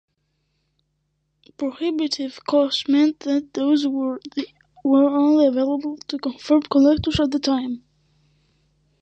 Prohibitive costs meant that these were only available to confirmed collectors at the time.